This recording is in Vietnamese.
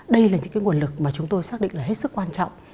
đây là những cái nguồn lực mà chúng tôi xác định là hết sức quan trọng